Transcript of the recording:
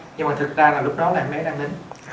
nhưng mà thực ra là lúc đó là em bé đang nín